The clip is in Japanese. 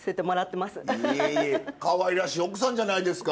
いえいえかわいらしい奥さんじゃないですか。